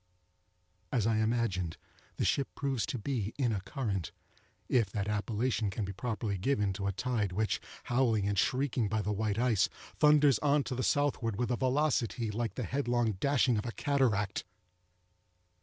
As I imagined, the ship proves to be in a current—if that appellation can properly be given to a tide which, howling and shrieking by the white ice, thunders on to the southward with a velocity like the headlong dashing of a cataract.